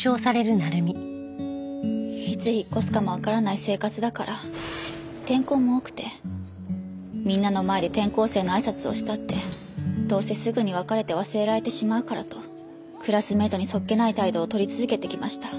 いつ引っ越すかもわからない生活だから転校も多くてみんなの前で転校生の挨拶をしたってどうせすぐに別れて忘れられてしまうからとクラスメートに素っ気ない態度を取り続けてきました。